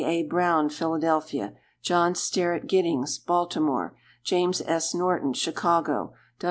A. Brown, Philadelphia. John Sterett Gittings, Baltimore. James S. Norton, Chicago.